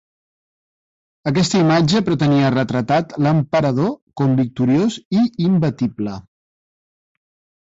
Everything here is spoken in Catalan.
Aquesta imatge pretenia retratat l'emperador com victoriós i imbatible.